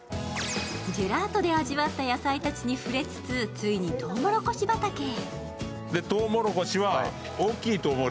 ジェラートで味わった野菜たちに触れつつ、ついにとうもろこし畑へ。